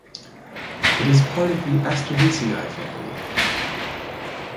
It is part of the Asteraceae family.